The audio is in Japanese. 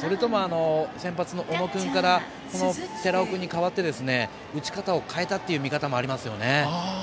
それとも先発の小野君から寺尾君に変わって打ち方を変えたという見方もありますね。